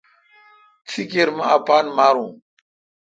تی کیر مہ اپان ماروں۔